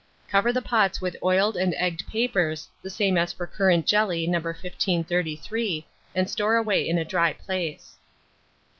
Cover the pots with oiled and egged papers, the same as for currant jelly No. 1533, and store away in a dry place.